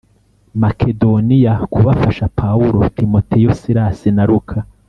Makedoniya kubafasha pawulo timoteyo silasi na luka